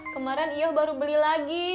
kemarin ia baru beli lagi